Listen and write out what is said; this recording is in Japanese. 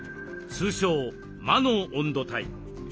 通称魔の温度帯。